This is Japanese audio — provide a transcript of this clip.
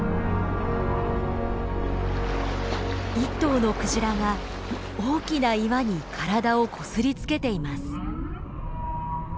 一頭のクジラが大きな岩に体をこすりつけています。